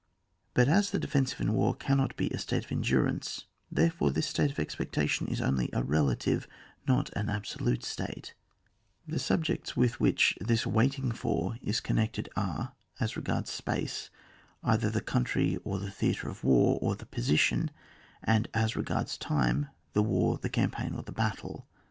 But as the defensive in war cannot be a state of endurance, therefore this state of expectation is only a relative, not an absolute state; the subjects with which this waiting for is connected are, as re gards space, either the coimtry, or the theatre of war, or the position, and, as regards time, the war, the campaign, or the battle.